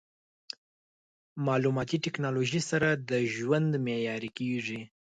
مالوماتي ټکنالوژي سره د ژوند معیاري کېږي.